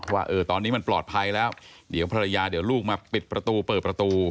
ว่าตอนนี้มันปลอดภัยแล้วเดี๋ยวภรรยาเดี๋ยวลูกมาปิดประตูเปิดประตู